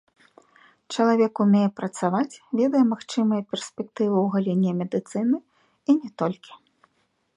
Чалавек умее працаваць, ведае магчымыя перспектывы ў галіне медыцыны і не толькі.